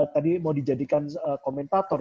tadi mau dijadikan komentator